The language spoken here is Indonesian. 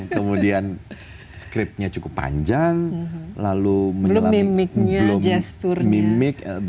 kemudian scriptnya cukup panjang lalu belum mimiknya gesturnya